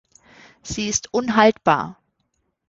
Sie ist unhaltbar.